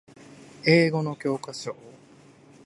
英語の教科書